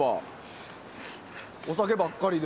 お酒ばっかりで。